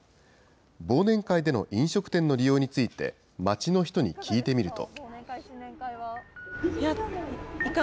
忘年会での飲食店の利用について、街の人に聞いてみると。